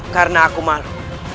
karena aku malu